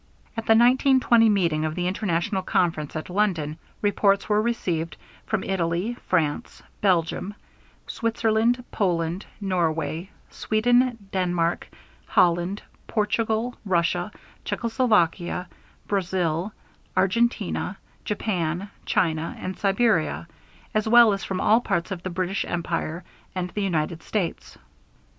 At the 1920 meeting of the international conference at London, reports were received from Italy, France, Belgium, Switzerland, Poland, Norway, Sweden, Denmark, Holland, Portugal, Russia, Czechoslovakia, Brazil, Argentina, Japan, China, and Siberia, as well as from all parts of the British Empire, and the United States.